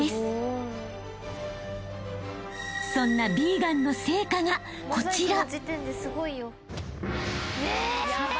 ［そんなヴィーガンの成果がこちら］